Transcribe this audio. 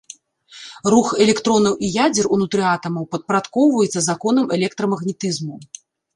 Рух электронаў і ядзер унутры атамаў падпарадкоўваецца законам электрамагнетызму.